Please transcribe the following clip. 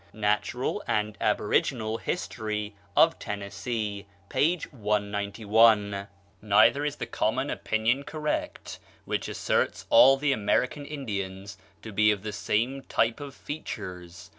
("Natural and Aboriginal History of Tennessee," p. 191.) CHOCTAW. Neither is the common opinion correct which asserts all the American Indians to be of the same type of features.